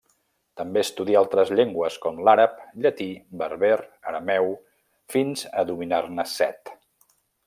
També estudia altres llengües, com l'àrab, llatí, berber, arameu, fins a dominar-ne set.